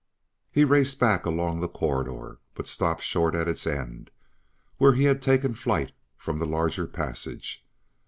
He raced back along the corridor, but stopped short at its end, where he had taken flight from the larger passage.